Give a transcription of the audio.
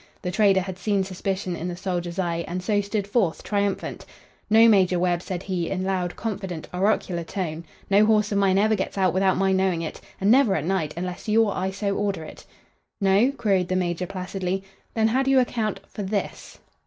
The trader had seen suspicion in the soldier's eye, and so stood forth, triumphant: "No, Major Webb," said he, in loud, confident, oracular tone, "no horse of mine ever gets out without my knowing it, and never at night unless you or I so order it." "No?" queried the major, placidly. "Then how do you account for this?"